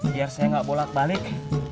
biar saya nggak bolak balik